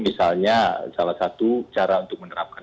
misalnya salah satu cara untuk menerapkan